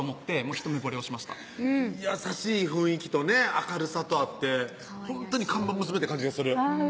ひと目ぼれをしました優しい雰囲気とね明るさとあってほんとに看板娘って感じがするあぁ